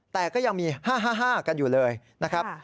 แต่ก็ยังมี๕๕กันอยู่เลยนะครับ